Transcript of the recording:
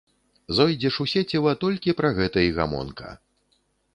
Зойдзеш у сеціва, толькі пра гэта і гамонка.